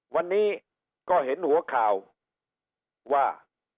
วันนี้ก็เห็นหัวข่าวว่า